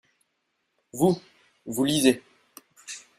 Vous, vous lisez.